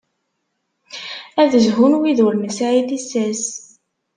Ad zhun wid ur nesɛi tissas.